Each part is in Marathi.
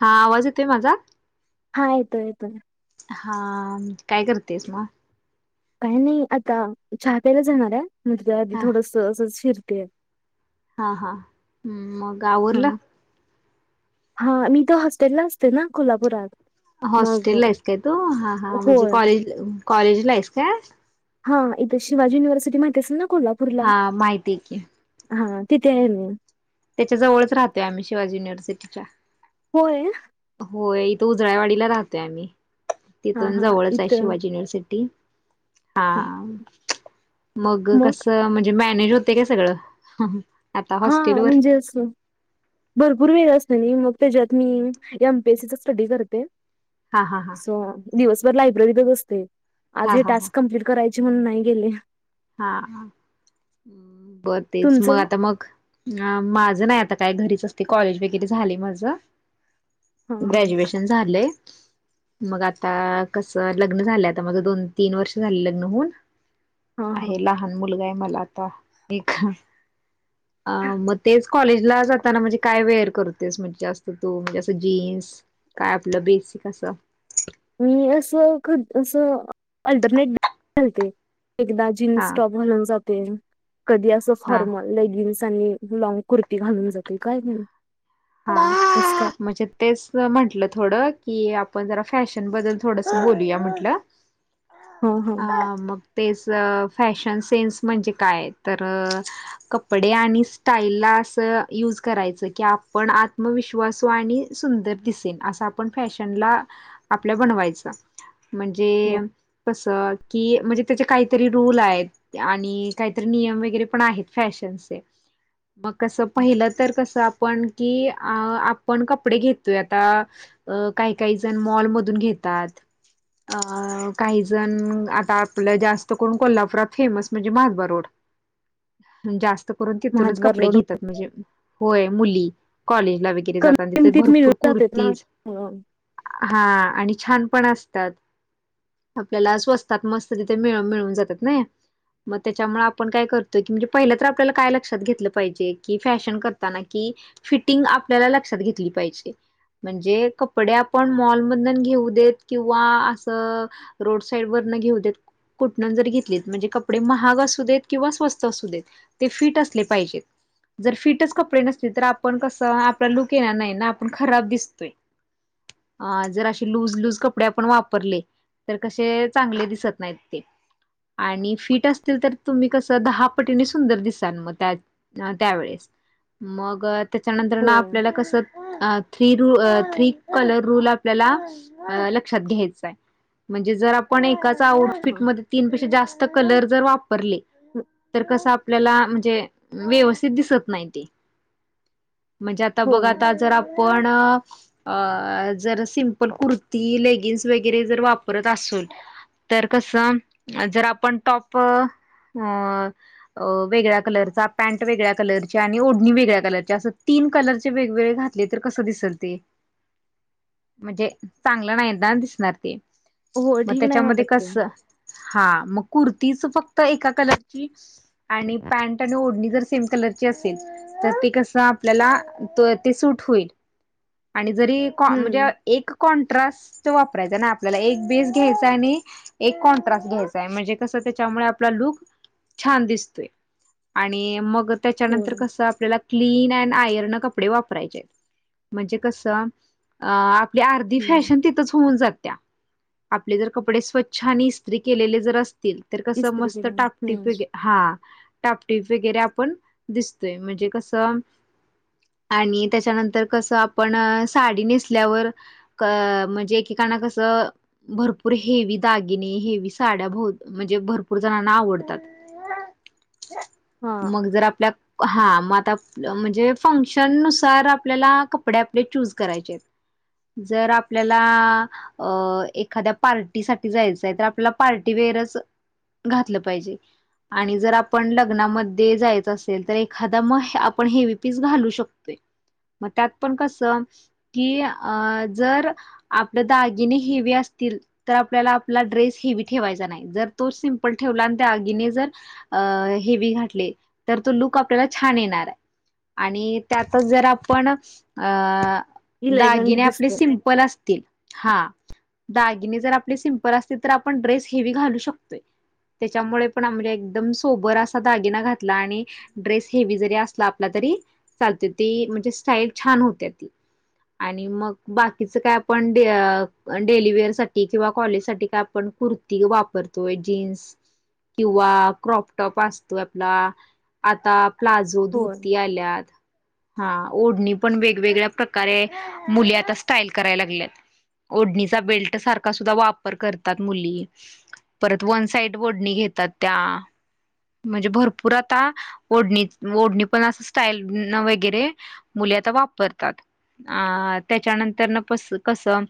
हां आवाज येतेय, माझा? हां येतोय येतोय. हां काय करतेस मग? काय नाही आता चहा प्यायला जाणार आहे, म्हणजे त्या आधी हा थोडस अस फिरतीये. हां हां मग आवरलं? हां मी इथं हॉस्टेलला असते ना कोल्हापुरात. मग हॉस्टेलला आहेस काय तू! हां हां म्हणजे होय कॉलेज कॉलेजला आहेस काय? हा इथ शिवाजी युनिव्हर्सिटी माहित असेल ना कोल्हा हा माहितीय की. हा, तिथे आहे मी. त्याच्या जवळच राहतोय आम्ही शिवाजी युनिव्हर्सिटीच्या होय होय, इथं उजळायवाडीला राहतोय आम्ही हा तिथून हा जवळचाय, इथं शिवाजी युनिव्हर्सिटी हा मग कस म्हणजे मॅनेज होतय का सगळं? आता हा हॉस्टेलवर म्हणजे असं भरपूर वेळ असतोय नी मग त्याच्यात मी एमपीएससीचा स्टडी करते हा हा हा. सो दिवसभर लायब्ररीतच असते. आज हा हे हा टास्क कंप्लीट करायचे म्हणून नाही गेले. हा हा बर तेच मग तुमचं आता मग माझ नाही आता काय घरीच असते कॉलेज वगैरे झालय माझ हा हा ग्रॅज्युएशन झालंय मग आता कसं, लग्न झालंय आता मग दोन तीन वर्ष झाली लग्न होऊन हा आहे हा लहान मुलगा आहे मला आता एक अ मग तेच कॉलेजला जाताना म्हणजे काय वेअर करतेस म्हणजे जास्त तू म्हणजे असं जीन्स काय आपलं बेसिक असं मी असं अस अल्टरनेट घालते एकदा जीन [unintelligible] हा जीन्स टॉप घालून जाते, कधी अस हा फॉर्मल लेगिंस आणि लाँग कुर्ता असं काय. म्हणजे तेच म्हटलं थोडं की आपण जरा फॅशन बद्दल थोडस बोलूया म्हटलं हा हा अ मग तेच फॅशन सेन्स म्हणजे काय तर कपडे आणि स्टाईल ला यूज करायचं की आपण आत्मविश्वासु आणि सुंदर दिसेन असं आपण फॅशनला आपल्या बनवायच, म्हणजे हा. कस की म्हणजे त्याचे काही तरी रूल आहेत, आणि काहीतरी नियम वगैरे पण आहेत फॅशनचे मग कसं पहिलं तर कसं आपण की अ आपण कपडे घेतोय आता अ काही काही जण मॉलमधून घेतात अ काही जण आता आपलं जास्त करून कोल्हापुरात फेमस म्हणजे महादबा रोड जास्त तिथूनच महाद्वार कपडे रोड घेतात म्हणजे होय मुली कॉलेजला वगै कमी जातात तिथे किमतीत मिळून भरपूर जातेत ना. कुर्तीज, हो हा आणि छान पण असतात. आपल्याला स्वस्तात मस्त तिथे मिळ मिळून जातात नाही. मग त्याच्यामुळे आपण काय करतोय की, म्हणजे पहिलं तर आपल्याला काय लक्षात घेतलं पाहिजे? कि फॅशन करताना कि, फिटिंग आपल्याला लक्षात घेतली पाहिजे. म्हणजे कपडे आपण मॉलमधन घेऊ देत किंवा असं रोड साईड वरन घेऊ देत कुठण जरि घेतलीत, म्हणजे कपडे महाग असू देत किंवा स्वस्त असू देत ते फिट असले पाहिजेत. जर फिटच कपडे नसतील, तर आपण कसं आपला लुक येणार नाही ना आपण खराब दिसतोय. अ जर असे लूज लूज कपडे आपण वापरले तर कसे चांगले दिसत नाहीत ते आणि फिट असतील, तर तुम्ही कसं दहा पटीने सुंदर दिसाल मग त्यात त्यावेळेस मग त्याच्यानंतर ना होय आपल्याला कसं अ थ्री रू थ्री कलर रूल आपल्याला लक्षात घ्यायचाय. म्हणजे जर आपण एकाच हा हा आउटफिटमध्ये तीन पेक्षा जास्त कलर जर‌ वापर ले हो- तर कस आपल्या म्हणजे व्यवस्थित दिसत नाही ते म्हणजे आता बघ, होय. आता जर आपण अ जर सिंपल कुर्ती, लेगिन्स वगैरे जर वापरत असू तर कस जर आपण टॉप अ अ वेगळ्या कलरचा पँट वेगळ्या कलरची आणि ओढणी वेगळ्या कलरच्या, असं तीन कलरचे वेगवेगळे घातले तर कसं दिसल ते? म्हणजे चांगलं नाही ना दिसणार ते. हो मग ठीक नाही त्याच्यामध्ये वाटत ते कस हा मग कुर्तीच फक्त एका कलरची आणि पँट आणि ओढणी जर सेम कलरची असेल, तर ते कस आपल्याला तो ते सूट होईल. आणि जरी कॉ म्हणजे हम्म अह एक कॉन्ट्रास्ट वापरायचा ना आपल्याला. एक बेस घ्यायचाय आणि एक कॉन्ट्रास्ट घ्यायचाय म्हणजे कसं त्याच्यामुळे आपला लुक छान दिसतोय. आणि मग होय त्याच्यानंतर कसं आपल्याला क्लीन अँड आयर्न कपडे वापरायचेत म्हणजे कसं अह आपली आर्धी हम्म फॅशन तिथंच होऊन जात्या. आपले जर कपडे स्वच्छ आणि इस्त्री केलेले जर असतील. तर कसं इस्त्री मस्त केल्या टापटीप हम्म वेग हा टापटीप वगैरे आपण दिसतोय म्हणजे कसं आणि त्याच्यानंतर कसं आपण साडी नेसल्यावर क अ म्हणजे एकेकांना कसं भरपूर हेवी दागिने, हेवी साड्या भो म्हणजे भरपूर जणांना आवडतात. हा मगं जर आप हा मग आता म्हणजे फंक्शन नुसार आपल्याला कपडे आपले चूज करायचे आहेत. जर आपल्याला अ एखाद्या पार्टीसाठी जायचंय, तर आपल्याला पार्टीवेअरचं घातलं पाहिजे आणि जर आपण लग्नामध्ये जायचं अस असेल तर एखादा मग आपण हेवी पीस घालू शकतोय, मग त्यात पण कसं की, अह जर आपलं दागिने हेवी असतील, तर आपल्याला आपला ड्रेस हेवी ठेवायचा नाही. जर तो सिंपल ठेवला आणि दागिने जर अह हेवी घातले तर तो लुक आपल्याला छान येणार आणि त्यातच जर आप पण अह इलेगंट दागिने आपले दिसतोय सिंपल अस तील हा दागिने जर आपले सिंपल असतील, तर आपण ड्रेस हेवी घालू शकतोय. त्याच्यामुळे पण अम्म म्हणजे एकदम सोबर असा दागिना घात ला आणि ड्रेस हेवी जरी असला आपला तरी चालतो ती म्हणजे स्टाईल छान होत्या ती. आणि मग बाकीचं काय आपण डे अह अह डेलीवेअरसाठी किंवा कॉलेजसाठी काय आपण कुर्ती वापरतोय, जीन्स किंवा क्रॉपटॉप असतोय आपला आता प्लाझो, होय. धोती आल्यात. हा ओढणी पण वेगवेगळ्या प्रकारे मुली आता स्टाईल कराय लागल्यात. ओढणीचा बेल्टसारखा सुद्धा वापर करतात मुली. परत वन साईड ओडणी घेतात त्या म्हणजे भरपू पुरं आता, ओढणी ओढणी पण असं स्टाईलन वगैरे मुली आता वापरतात, अ त्याच्यानंतरन पस कसं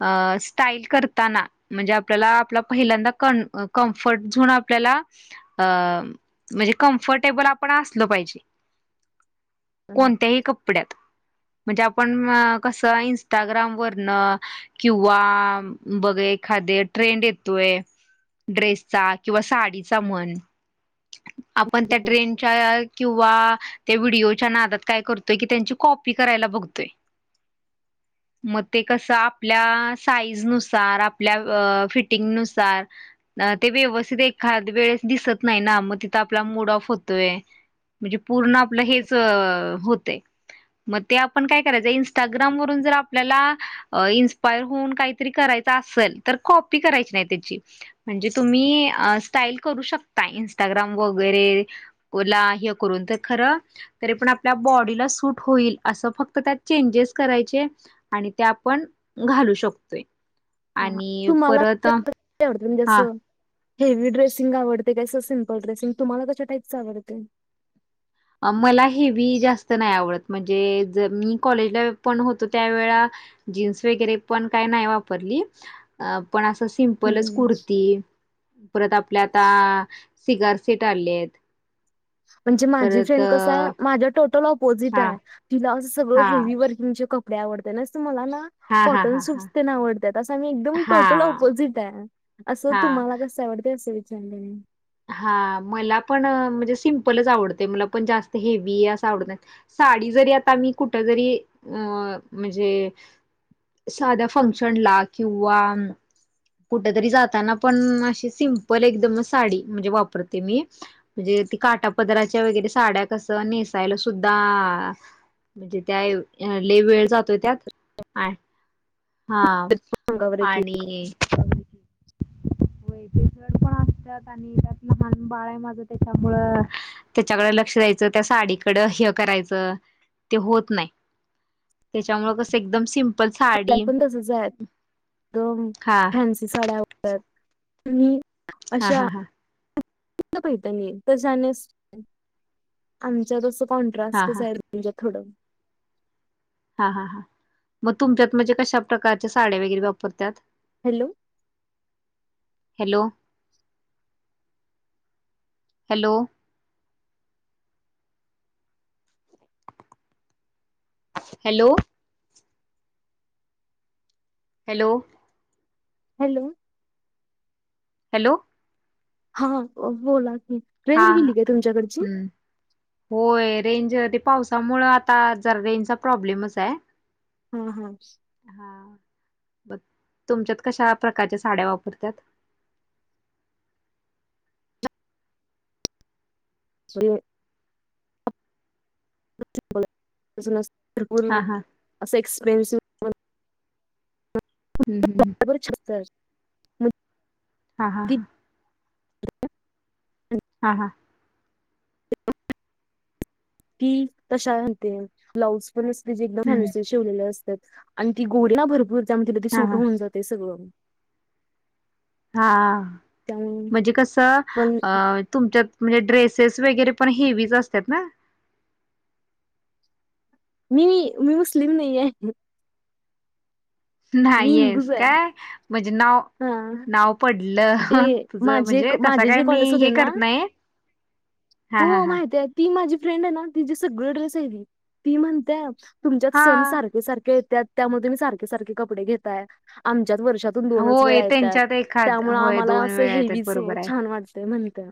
अ... स्टाईल करताना. म्हणजे, आपल्याला आपला पहिल्यांदा कन कंम्फर्ट झोन आपल्याला अह म्हणजे कंम्फर्टेबल आपण असलं पाहिजे, कोणत्याही कपड्यात म्हणजे, आपण कसं इनस्टाग्रामवरनं किंवा बघ एखादे ट्रेंड येतोय ड्रेसचा किंवा साडीचा म्हण आपण त्या ट्रेंडच्या किंवा त्या व्हिडिओच्या नादात काय करतोय, की त्यांची कॉपी करायला बघतोय. [inaudible] मग ते कसं, आपल्या साईजनुसार आपल्या अह फिटिंगनुसार अह ते व्यवस्थित एखादं वेळेस दिसत नाही ना मग तिथं आपला मूड ऑफ होतोय, म्हणजे पूर्ण आपलं हेच होतंय. मग ते आपण काय करायचं? इंस्टाग्राम वरून जर आपल्याला अ इन्स्पायर होऊन काहीतरी करायचं असेल, तर कॉपी करायची नाही त्याची. म्हणजे, 'तुम्ही स्टाईल करू शकता'? इस्टाग्राम वगैरे ओला हे करून तर खरं, तरी पण आपल्या बॉडीला सूट होईल, असं फक्त त्यात चेंजेस करायचे. आणि त्या आपण घालू शकतोय. आणि तू मला परत आवडत हा असं [inaudible] ''हेवी ड्रेसिंग आवडते का अस सिंपल ड्रेसिंग''? तुम्हाला कशाटाईपच आवडते? मला हेवी जास्त नाही आवडत, म्हणजे जर मी कॉलेजला पण होतो त्यावेेळा जीन्स वगैरे पण काय नाही वापरली. अ.. पण असं सिंमपलच हं. कुर्ती परत आपल्या आता सिगारसेट आले आहेत. म्हणजे माझी परत फ्रेंड कस आहे, माझ्या टोटल आपोझिट हा आहे. तिला असं सगळं हा हेवी व तुमचे कपडे आवडतेय नास तू मला ना हा हा कॉटन हा सूट हा पण आवडतात, असं मी एकदम हा टोटल अपोजिट आहे. असं, हा 'तुम्हाला कस आवडते अस विचारलं मी'? हा मला पण म्हणजे सिंम्पलच आवडते, मला पण जास्त हेवी असं आवडत नाही. साडी जरी आता मी कुठ जरी अ म्हणजे साध्या फंक्शनला किंवा कुठ तरी जाताना पण, अशी सिंमपल एकदमच साडी म्हणजे वापरते मी म्हणजे, ती काटापदराच्या वगैरे साड्या कसं नेसायला सुद्धा म्हणजे त्या हल्ली वेळ जातोय त्यात हा सांगा बरं की आणि होय ते सर पण असतात आणि 'त्यातलं लहान बाळ आहे माझ त्याच्यामुळं', त्याच्याकडें लक्ष द्यायचं, त्या साडीकडं हे करायचं ते होत नाही. त्याच्यामुळे कसं एकदम सिम ह पण तसच आहेत एकदम हा फैन साड्या आणि हा अशा हा हा [inaudible] पाहि तर जाण्यास आमच्या तस हा हा म्हणजे थोड हा हा हा मग तुमच्यात म्हणजे कशा प्रकारच्या साड्या वगैरे वापरतात? Hello hello, hello.. hello.. hello hello, hello, हा अ बोलाचे हा हम्म होय रेंज ते पावसामुळे आता जरा रेंजचा प्रॉब्लेमच आहे. हा हा हा ब तुमच्यात कशा प्रकारच्या साड्या वापरतात. सडेल िरुल हा हा [unintelligible] असं एक्सपिरियन्स [unintelligible] हम् हम हम त्वरित छत कर. हा हा हा हा हा [inaudible] कि तशा घालते, ब्लाउज पण असते जे एकदा हम्म घालायचे शिवलेले असतात आणि ती गोरी ना भरपूर त्यामुळे तिला हा सूट हा होऊन जाते सगळं हा त्यामुळे म्हणजे कसं पण अ तुमच्यात म्हणजे ड्रेसेस वगैरे पण हेवीच असतात ना. मी, मी मुस्लिम नाही आहे. मी नाहीयस हिंदूच आहे का काय, म्हणजे नाव हा नाव पडल ते हं तुझ माझे म्हणजे तसा माझे काय जे मी कॉलेज होते हे ना करत नाही. हा हा हो हा माहितय ती माझी फ्रेंड आहे ना तिची सगळी ड्रेस आहेली ती म्हणतेय तुमच्यात सण हा सारखे सारखे येतात, त्यामध्ये मी सारखे सारखे कपडे घेताय आमच्याच वर्षात तुम्ही दोनच होय वेळा येतात त्यांच्यात एखाद त्यामुळे होय आम्हाला दोन असं वेळा येतात हेवीच बरोबर आहे. छान वाटते म्हणत्या.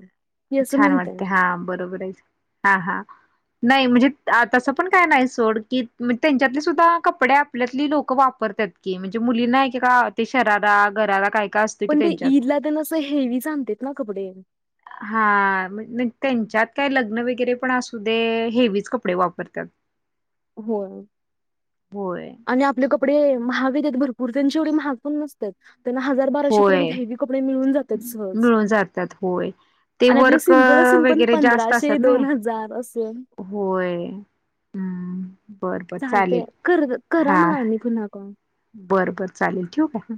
छान वाटते, हा बरोबर आहेच हा हा नाही म्हणजे तसं पण काय नाही सोड कीज त्यांच्यातले सुद्धा कपडे आपल्यातली लोकं वापरतात. की म्हणजे मुलीना कि का ते शरारा गराला काय का अस पण ते ईदला तर असं हेवीच आणते ना कपडे हा म्हटलं त्यांच्यात काय लग्न वगैरे पण असू दे, हेवीच कपडे वापरतात. [unintelligible] होय. होय आणि आपले कपडे महाग येत आहेत भरपूर, त्यांची एवढी महाग पण नसतात. त्यांना हजार बाराशे पर्यंत होय हेवी कपडे मिळून जातात सहज. मिळून जातात होय. ते आणि आपले वर्क सिम्पल असून पण वगैरे जास्त पंधराशे असतात ना दोन हजार असे होय हम्म बर बर चालतय चालेल, कर करा हा मला आणि पुन्हा कॉल. बरं बर चालेल ठेवू का फोन.